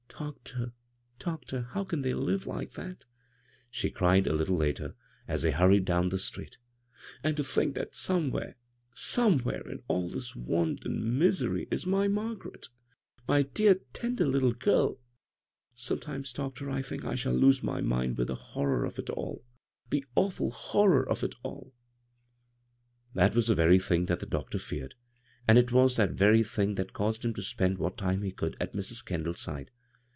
" DodoT, doctor, how can they live like that t " she cried a tittle later, as they huiried down the street " And to think that some where, somewhere in all this want and misery is my Margaret — my dear, tender, litde g^l I Sometimes, doctor, I tliink I shall lose my mind with the horror of it all — the awful hc»ror of it all I " It was that very thing that the doctor feared, and it was that very thing that * caused him to spend what time he could at Mis. Kendall's side.